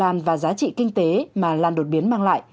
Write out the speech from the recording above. lực lượng công an và giá trị kinh tế mà lan đột biến mang lại